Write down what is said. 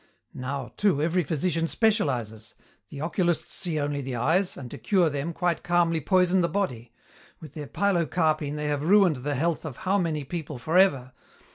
Now, too, every physician specializes. The oculists see only the eyes, and, to cure them, quite calmly poison the body. With their pilocarpine they have ruined the health of how many people for ever!